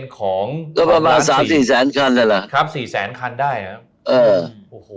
๒๐๓๐ของล้านสี่ครับสี่แสนคันได้ครับ